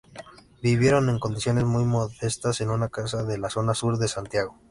Vivieron en condiciones muy modestas en una casa de la zona sur de Santiago.